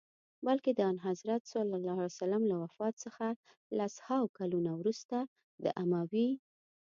بلکه د آنحضرت ص له وفات څخه لس هاوو کلونه وروسته د اموي.